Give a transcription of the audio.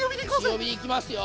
強火で行きますよ！